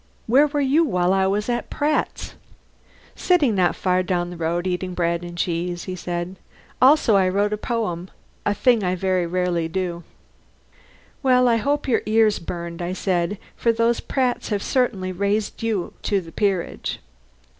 "Where were you while I was at Pratt's?" "Sitting not far down the road eating bread and cheese," he said. "Also I wrote a poem, a thing I very rarely do." "Well, I hope your ears burned," I said, "for those Pratts have certainly raised you to the peerage."